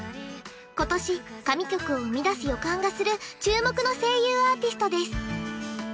今年神曲を生み出す予感がする注目の声優アーティストです